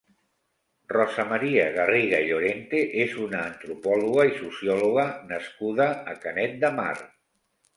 Rosa Maria Garriga i Llorente és una antropòloga i sociòloga nascuda a Canet de Mar.